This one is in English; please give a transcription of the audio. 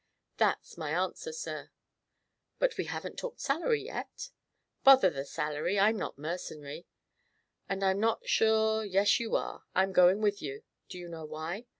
"That's my answer, sir." "But we haven't talked salary yet." "Bother the salary. I'm not mercenary." "And I'm not sure " "Yes, you are. I'm going with you. Do you know why?"